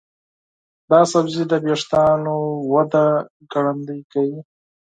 دا سبزی د ویښتانو وده ګړندۍ کوي.